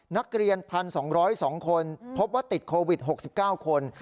นักเรียน๑๒๐๒คนพบว่าติดโควิด๖๙คน